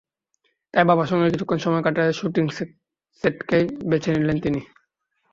তাই বাবার সঙ্গে কিছুক্ষণ সময় কাটাতে শুটিং সেটকেই বেছে নিলেন তিনি।